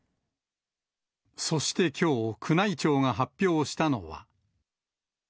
そしてきょう、宮内庁が発表したのは。